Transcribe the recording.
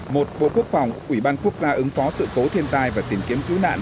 một bộ quốc phòng ủy ban quốc gia ứng phó sự cố thiên tai và tìm kiếm cứu nạn